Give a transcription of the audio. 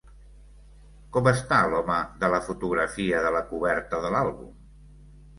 Com està l'home de la fotografia de la coberta de l'àlbum?